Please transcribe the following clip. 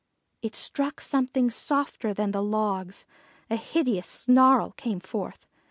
It struck something softer than the logs: a hideous snarl came forth.